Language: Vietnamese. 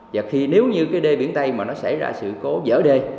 và khi nếu như cái đê biển tây mà nó xảy ra sự cố dở đê